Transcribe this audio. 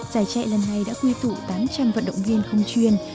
giải chạy lần này đã quy tụ tám trăm linh vận động viên không chuyên